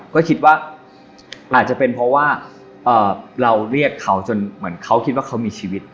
ก็คิดว่าอาจจะเป็นเพราะว่าเราเรียกเขาจนเหมือนเขาคิดว่าเขามีชีวิต